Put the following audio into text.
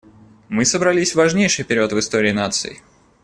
Мы собрались в важнейший период в истории наций.